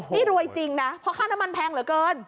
นี่รวยจริงนะเพราะค่าน้ำมันแพงเหลือเกิน